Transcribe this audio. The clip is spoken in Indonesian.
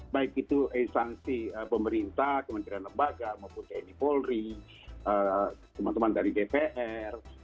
baik itu instansi pemerintah kementerian lembaga maupun tni polri teman teman dari dpr